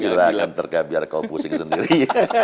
silahkan terka biar kau pusing sendiri